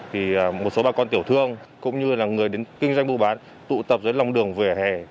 thì một số bà con tiểu thương cũng như là người đến kinh doanh bưu bán tụ tập dưới lòng đường về hẻ